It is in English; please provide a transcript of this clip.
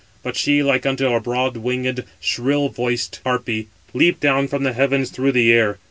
But she, like unto a broad winged, shrill voiced harpy, leaped down from the heavens through the air.